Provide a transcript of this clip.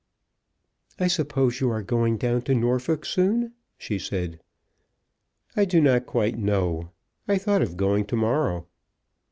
"I suppose you are going down to Norfolk soon?" she said. "I do not quite know. I thought of going to morrow."